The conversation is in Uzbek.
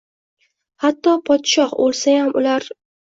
Hatto podshoh oʻlsayam, ular